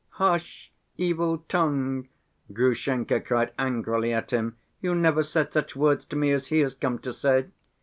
"Hush, evil tongue!" Grushenka cried angrily at him; "you never said such words to me as he has come to say."